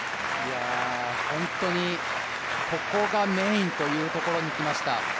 本当にここがメインというところに来ました。